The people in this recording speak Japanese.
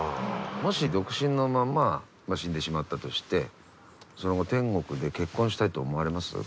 もし独身のまんま死んでしまったとしてその後天国で結婚したいって思われます？